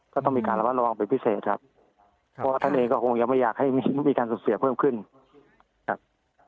ก็ต้องมีการระมัดระวังเป็นพิเศษครับเพราะว่าท่านเองก็คงยังไม่อยากให้มีการสูญเสียเพิ่มขึ้นครับ